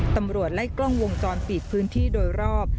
ตำรวจไล่กล้องวงจรปิดพื้นที่โดยรอบ